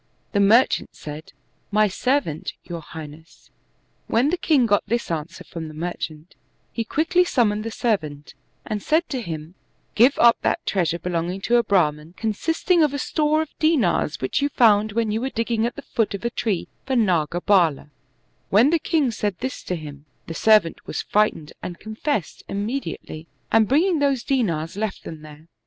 The merchant said, "My servant, your high ness." When the king got this answer from the merchant, he quickly summoned the servant and said to him, " Give up that treasure belonging to a Brahman, consisting of a store of dindrs, which you found when you were digging at the foot of a tree for ndgabald" When the king said this to him, the servant was frightened and confessed imme diately, and bringing those dinars left them there.